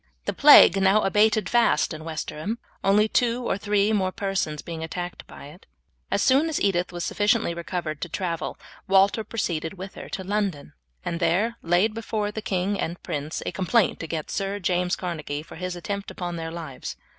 The plague now abated fast in Westerham, only two or three more persons being attacked by it. As soon as Edith was sufficiently recovered to travel Walter proceeded with her to London and there laid before the king and prince a complaint against Sir James Carnegie for his attempt upon their lives.